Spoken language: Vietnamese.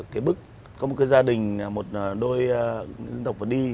cái bức có một cái gia đình một đôi dân tộc vừa đi